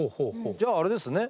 じゃああれですね